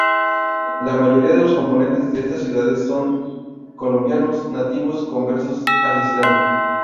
La mayoría de los componentes de estas ciudades son colombianos nativos conversos al islam.